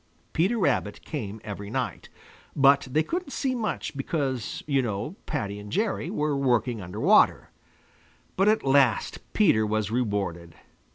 Peter Rabbit came every night. But they couldn't see much because, you know, Paddy and Jerry were working under water. But at last Peter was rewarded.